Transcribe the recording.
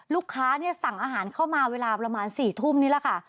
ลูกค้าสั่งอาหารเข้ามาเวลาประมาณ๔ทุ่มนี่แหละค่ะ